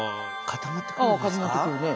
固まってくるね。